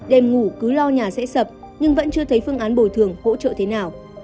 đêm ngủ cứ lo nhà sẽ sập nhưng vẫn chưa thấy phương án bồi thường hỗ trợ thế nào